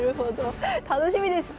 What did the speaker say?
楽しみですね。